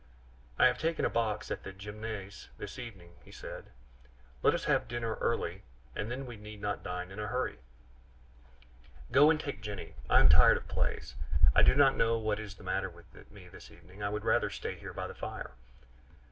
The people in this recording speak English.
"I have taken a box at the Gymnase this evening," he said; "let us have dinner early, and then we need not dine in a hurry." "Go and take Jenny. I am tired of plays. I do not know what is the matter with me this evening; I would rather stay here by the fire."